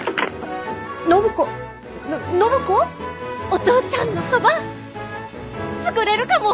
お父ちゃんのそば作れるかも！